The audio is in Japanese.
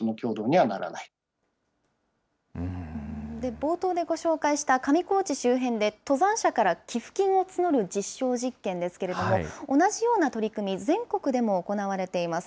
冒頭でご紹介した上高地周辺で登山者から寄付金を募る実証実験ですけれども、同じような取り組み、全国でも行われています。